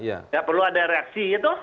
enggak perlu ada reaksi gitu